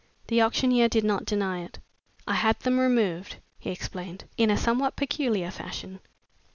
The auctioneer did not deny it. "I had them removed," he explained "in a somewhat peculiar fashion.